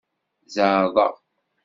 Zeɛḍeɣ.